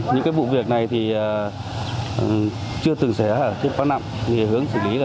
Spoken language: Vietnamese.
những cái vụ việc này thì chưa từng xảy ra thích quá nặng